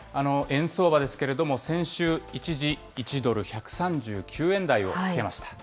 円相場ですけれども、先週、一時１ドル１３９円台をつけました。